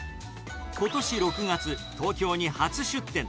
ことし６月、東京に初出店。